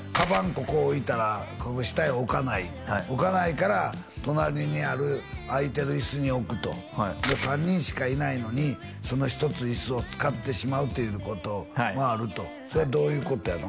ここ置いたら下へ置かない置かないから隣にある空いてるイスに置くと３人しかいないのにその１つイスを使ってしまうということがあるとそれはどういうことやの？